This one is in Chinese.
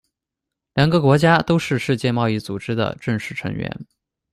两个国家都是世界贸易组织的正式成员。